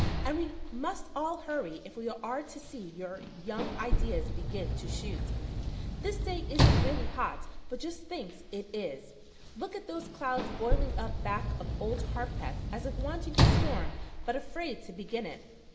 "And we must all hurry if we are to see your young ideas begin to shoot. This day isn't really hot, but just thinks it is. Look at those clouds boiling up back of Old Harpeth as if wanting to storm, but afraid to begin it.